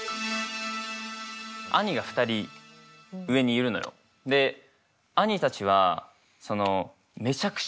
兄が２人上にいるのよで兄たちはそのめちゃくちゃ賢いのよ。